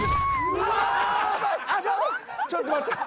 ちょっと待って。